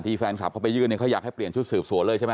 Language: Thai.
แฟนคลับเขาไปยื่นเนี่ยเขาอยากให้เปลี่ยนชุดสืบสวนเลยใช่ไหม